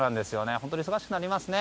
本当に忙しくなりますね。